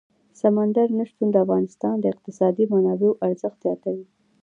سمندر نه شتون د افغانستان د اقتصادي منابعو ارزښت زیاتوي.